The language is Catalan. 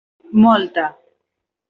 Molta.